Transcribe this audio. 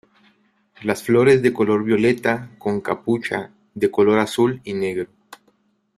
Las flores de color violeta con capucha, de color azul y negro.